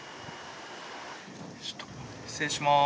ちょっと失礼します。